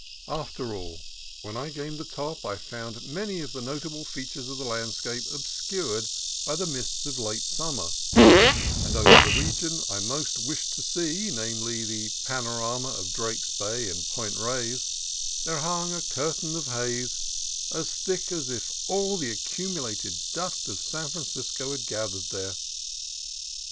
After all, when I gained the top I found many of the notable features of the landscape obscured by the mists of late summer ; and over the region I most wished to see, namely, the panorama of Drake's Bay and Point Reyes, there hung a curtain of haze as thick as if all the accumulated dust of San Fran cisco had gathered there.